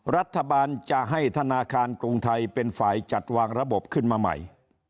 รัฐบาลจะให้ธนาคารกรุงไทยเป็นฝ่ายจัดวางระบบขึ้นมาใหม่